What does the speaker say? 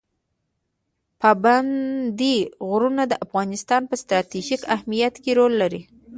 پابندي غرونه د افغانستان په ستراتیژیک اهمیت کې رول لري.